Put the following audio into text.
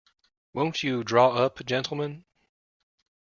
Won't you draw up, gentlemen.